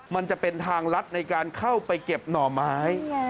มันจะเป็นทางลัดในการเข้าไปเก็บหน่อไม้